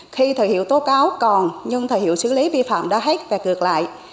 khi thời hiệu tố cáo còn nhưng thời hiệu xử lý vi phạm đã hết và ngược lại